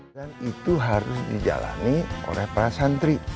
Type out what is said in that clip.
itu harus dijalani oleh para santri